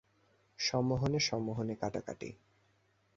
সম্মোহনে সম্মোহনে কাটাকাটি।